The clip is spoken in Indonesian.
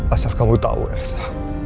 asal kamu tahu elsa